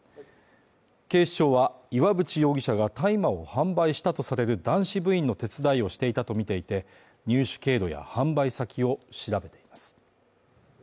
警視庁は岩渕容疑者が大麻を販売したとされる男子部員の手伝いをしていたと見ていて入手経路や販売先を調べています